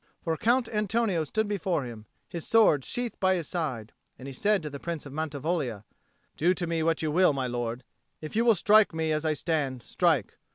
For Count Antonio stood before him, his sword sheathed by his side. And he said to the Prince of Mantivoglia, "Do to me what you will, my lord. If you will strike me as I stand, strike.